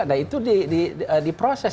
nah itu diproses